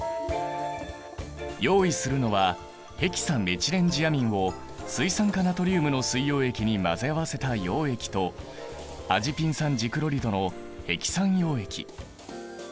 用意するのはヘキサメチレンジアミンを水酸化ナトリウムの水溶液に混ぜ合わせた溶液とアジピン酸ジクロリドのヘキサン溶液。